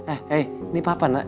eh ini papa nak